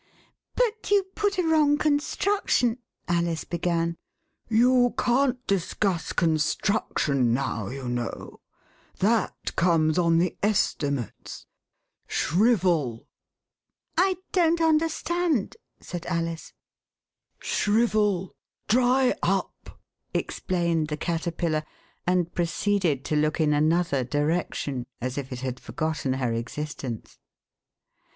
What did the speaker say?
" But you put a wrong construction " Alice began. You can't discuss Construction now, you know ; that comes on the Estimates. Shrivel !"I don't understand," said Alice. 41 The Westminster Alice Shrivel. Dry up," explained the Caterpillar, and proceeded to look in another direction, as if it had forgotten her existence.